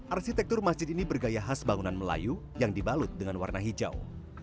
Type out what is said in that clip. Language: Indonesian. arsitektur masjid ini bergaya khas bangunan melayu yang dibalut dengan warna hijau